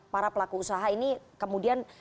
para pelaku usaha ini kemudian